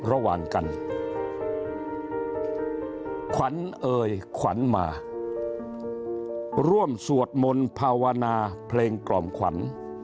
ระหว่างกันขวัญเอ่ยขวัญมาร่วมสวดมนต์ภาวนาเพลงกล่อมขวัญ